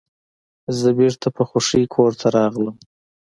زه بیرته په خوښۍ کور ته راغلم.